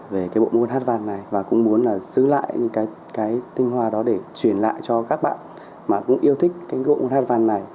về cái bộ nguồn hát văn này và cũng muốn là giữ lại những cái tinh hoa đó để chuyển lại cho các bạn mà cũng yêu thích cái bộ nguồn hát văn này